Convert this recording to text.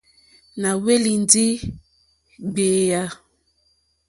Nà hwélì ndí ɡbèyà.